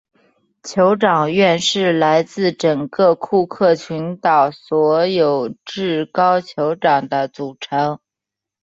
酋长院是来自整个库克群岛所有至高酋长的组成。